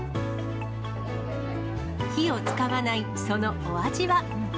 火を使わないそのお味は。